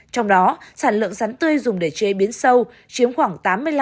trong đó sản lượng sắn tươi dùng để chế biến sâu chiếm khoảng tám mươi năm